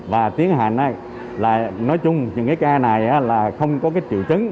và tiến hành là nói chung những cái ca này là không có cái triệu chứng